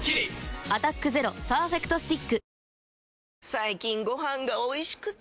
最近ご飯がおいしくて！